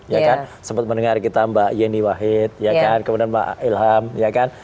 ya kan sempat mendengar kita mbak yeni wahid ya kan kemudian mbak ilham ya kan